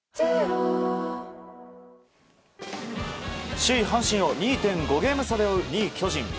首位、阪神を２．５ゲーム差で追う２位、巨人。